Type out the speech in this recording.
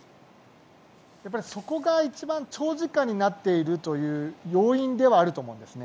そこが一番、長時間になっている要因ではあると思うんですね。